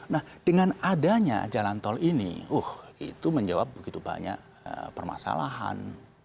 nah dengan adanya jalan tol ini itu menjawab begitu banyak permasalahan